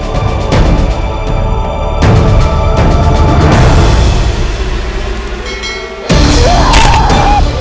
aku akan menjajahkanmu